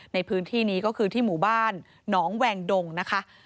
ในพื้นที่นี้ก็คือที่หมู่บ้านหนองแวงดงนะคะ